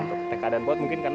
untuk ptk dan paud mungkin karena